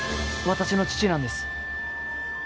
私の父なんです。